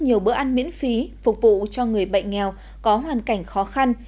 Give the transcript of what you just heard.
nhiều bữa ăn miễn phí phục vụ cho người bệnh nghèo có hoàn cảnh khó khăn